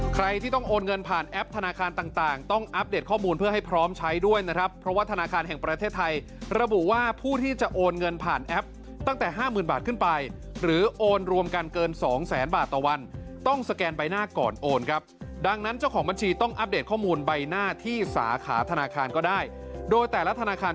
ใครที่ต้องโอนเงินผ่านแอปธนาคารต่างต้องอัปเดตข้อมูลเพื่อให้พร้อมใช้ด้วยนะครับเพราะว่าธนาคารแห่งประเทศไทยระบุว่าผู้ที่จะโอนเงินผ่านแอปตั้งแต่ห้าหมื่นบาทขึ้นไปหรือโอนรวมกันเกินสองแสนบาทต่อวันต้องสแกนใบหน้าก่อนโอนครับดังนั้นเจ้าของบัญชีต้องอัปเดตข้อมูลใบหน้าที่สาขาธนาคารก็ได้โดยแต่ละธนาคาร